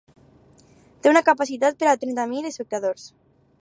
Té una capacitat per a trenta mil espectadors.